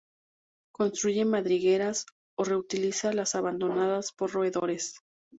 Construye madrigueras o reutiliza las abandonadas por roedores.